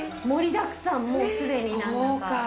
盛りだくさん、もうすでにな豪華。